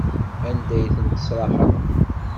Anda ay ten-tesraḥeḍ?